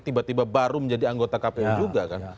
tiba tiba baru menjadi anggota kpu juga kan